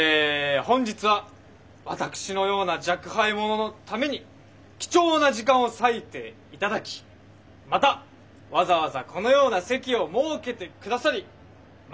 本日は私のような若輩者のために貴重な時間を割いて頂きまたわざわざこのような席を設けて下さり誠にありがとうございます。